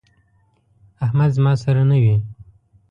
احمد راسره نه وي،